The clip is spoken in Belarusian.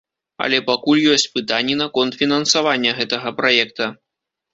Але пакуль ёсць пытанні наконт фінансавання гэтага праекта.